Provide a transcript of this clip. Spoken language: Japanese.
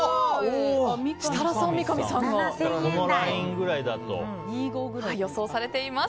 設楽さん、三上さんが近いと予想されています。